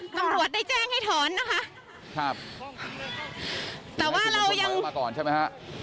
ตำรวจได้แจ้งให้ถอนนะคะครับแต่ว่าเรายังมาก่อนใช่ไหมฮะ